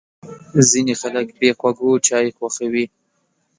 ځینې خلک بې خوږو چای خوښوي.